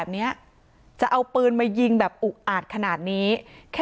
จนใดเจ้าของร้านเบียร์ยิงใส่หลายนัดเลยค่ะ